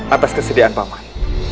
atas kesedihan paman